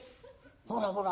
ほらほら